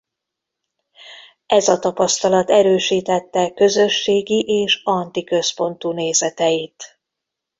Ez a tapasztalat erősítette közösségi és anti-központú nézeteit.